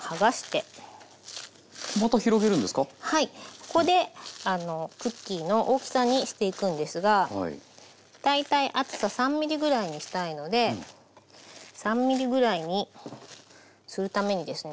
ここでクッキーの大きさにしていくんですが大体厚さ３ｍｍぐらいにしたいので３ｍｍぐらいにするためにですね